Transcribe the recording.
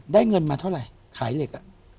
ได้เงินมาเท่าไหร่ศิษย์ขายเหล็ก